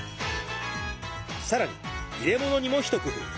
さらに入れ物にも一工夫。